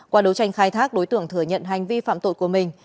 qua đấu tranh khai thác đối tượng thừa nhận hành vi phạm tội của mình